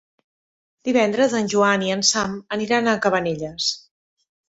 Divendres en Joan i en Sam aniran a Cabanelles.